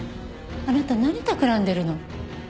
あなた何たくらんでるの？